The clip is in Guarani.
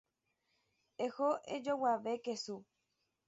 Eho ejoguave kesu.